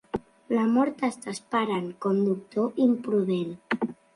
La mort t'està esperant, conductor imprudent!